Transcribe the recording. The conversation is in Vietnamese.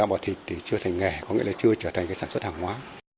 lực ra bò thịt thì chưa thành nghề có nghĩa là chưa trở thành sản xuất hàng hóa